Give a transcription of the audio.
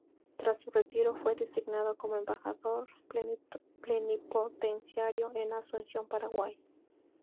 Tras su retiro, fue designado como Embajador Plenipotenciario en Asunción, Paraguay.